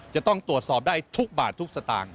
จะต้องตรวจสอบได้ทุกบาททุกสตางค์